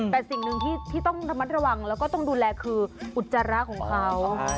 แต่สิ่งหนึ่งที่ต้องระมัดระวังแล้วก็ต้องดูแลคืออุจจาระของเขา